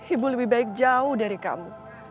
ibu lebih baik jauh dari kamu